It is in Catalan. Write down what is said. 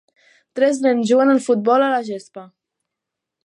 Tres nens juguen a futbol a la gespa.